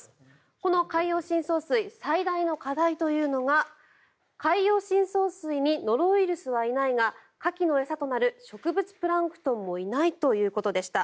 この海洋深層水最大の課題というのが海洋深層水にノロウイルスはいないがカキの餌となる植物プランクトンもいないということでした。